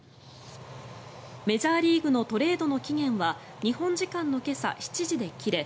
メジャーリーグのトレードの期限は日本時間の今朝７時で切れ